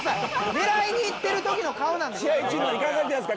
狙いに行ってるときの顔なんです。